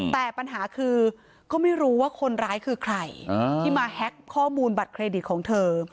แต่ปัญหาคือก็ไม่รู้ว่าคนร้ายคือใครที่มาแฮ็กข้อมูลบัตรเครดิตของเธอ